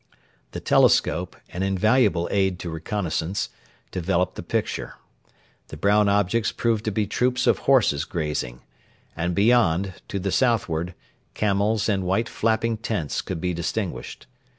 The telescope, an invaluable aid to reconnaissance, developed the picture. The brown objects proved to be troops of horses grazing; and beyond, to the southward, camels and white flapping tents could be distinguished.